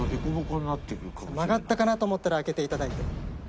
曲がったかなと思ったら開けていただいて。